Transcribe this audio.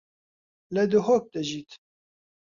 لە دهۆک دەژیت.